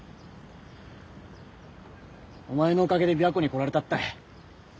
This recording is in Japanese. お前のおかげで琵琶湖に来られたったい。